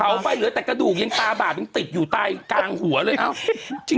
เอาไปเหลือแต่กระดูกยังตาบาดยังติดอยู่ตายกลางหัวเลย